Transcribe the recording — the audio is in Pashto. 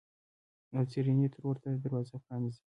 او زرینې ترور ته دروازه پرانیزه!